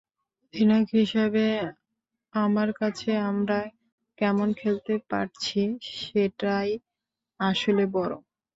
অধিনায়ক হিসেবে আমার কাছে আমরা কেমন খেলতে পারছি, সেটাই আসলে বড়।